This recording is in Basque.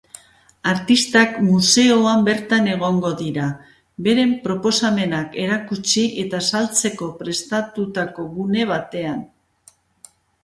Artistak museoan bertan egongo dira, beren proposamenak erakutsi eta saltzeko prestatutako gune batean.